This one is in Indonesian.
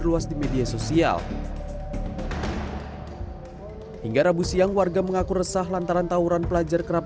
ruas di media sosial hingga rabu siang warga mengaku resah lantaran tawuran pelajar kerap